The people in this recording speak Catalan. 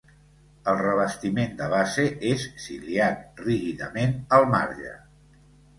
El revestiment de base és ciliat rígidament al marge.